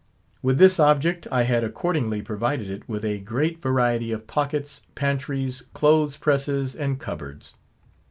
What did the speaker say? With this object, I had accordingly provided it with a great variety of pockets, pantries, clothes presses, and cupboards.